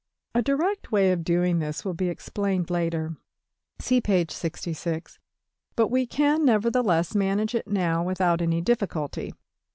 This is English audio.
A direct way of doing this will be explained later (see \Pageref{dodge}); but we can nevertheless manage it now without any difficulty.